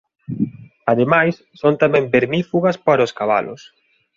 Ademais son tamén vermífugas para os cabalos.